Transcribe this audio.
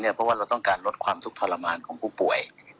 เพราะว่าเราต้องการลดความทุกข์ทรมานของผู้ป่วย